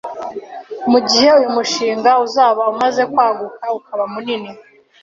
mu gihe uyu mushinga uzaba umaze kwaguka ukaba munini,